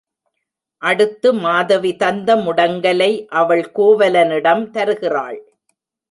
அடுத்து மாதவி தந்த முடங்கலை அவள் கோவலனிடம் தருகிறாள்.